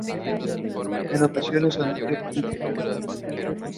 En ocasiones admitió públicamente ser lesbiana.